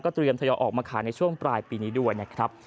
เตรียมทยอยออกมาขายในช่วงปลายปีนี้ด้วยนะครับ